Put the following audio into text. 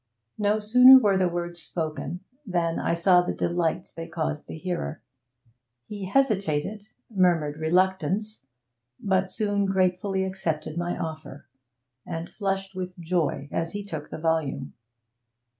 No sooner were the words spoken than I saw the delight they caused the hearer. He hesitated, murmured reluctance, but soon gratefully accepted my offer, and flushed with joy as he took the volume.